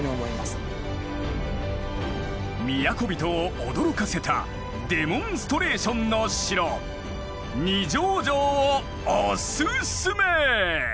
都人を驚かせたデモンストレーションの城二条城をおすすめ！